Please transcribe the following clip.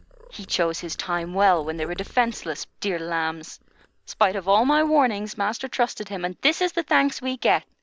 "He chose his time well, when they were defenceless, dear lambs! Spite of all my warnings, master trusted him, and this is the thanks we get.